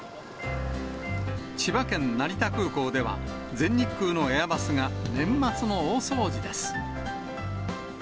千葉県成田空港では、全日空のエアバスが年末の大掃除です。